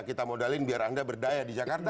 kita modalin biar anda berdaya di jakarta